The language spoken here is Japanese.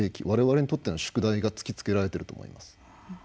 我々にとっての宿題が突きつけられていると思います。